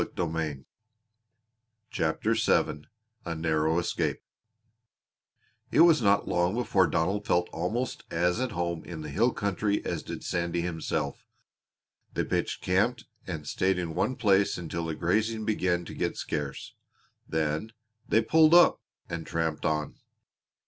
CHAPTER VII A NARROW ESCAPE It was not long before Donald felt almost as at home in the hill country as did Sandy himself. They pitched camp and stayed in one place until the grazing began to get scarce; then they "pulled up" and tramped on.